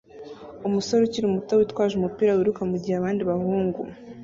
Umusore ukiri muto witwaje umupira wiruka mugihe abandi bahungu